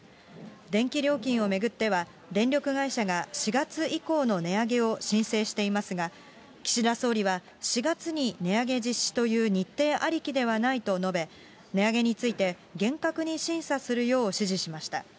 電気料金を巡っては、電力会社が４月以降の値上げを申請していますが、岸田総理は４月に値上げ実施という日程ありきではないと述べ、値上げについて、厳格に審査するよう指示しました。